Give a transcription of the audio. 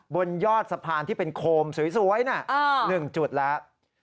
บนยอดสะพานที่เป็นโคมสวย๑จุดแล้ว